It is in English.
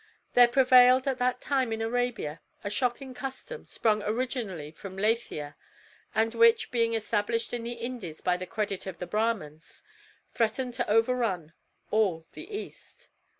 There prevailed at that time in Arabia a shocking custom, sprung originally from Leythia, and which, being established in the Indies by the credit of the Brahmans, threatened to overrun all the East.